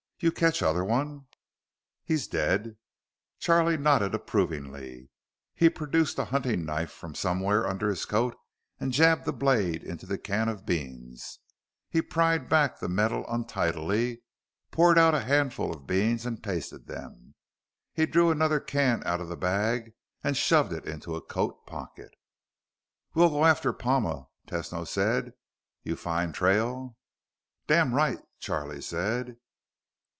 You catch other one?" "He's dead." Charlie nodded approvingly. He produced a hunting knife from somewhere under his coat and jabbed the blade into the can of beans. He pried back the metal untidily, poured out a handful of beans and tasted them. He drew another can out of the bag and shoved it into a coat pocket. "We'll go after Palma," Tesno said. "You find trail?" "Damn right," Charlie said.